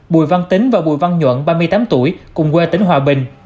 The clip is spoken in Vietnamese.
bùi văn tính và bùi văn nhuận ba mươi tám tuổi cùng quê tỉnh hòa bình